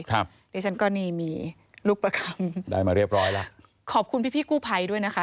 ครับดิฉันก็นี่มีลูกประคำได้มาเรียบร้อยแล้วขอบคุณพี่พี่กู้ภัยด้วยนะคะ